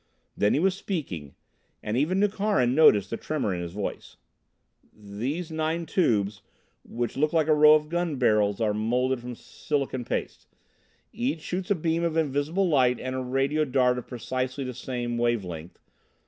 Then he was speaking, and even Nukharin noticed the tremor in his voice: "These nine tubes, which look like a row of gun barrels, are molded from silicon paste. Each shoots a beam of invisible light and a radio dart of precisely the same wave length.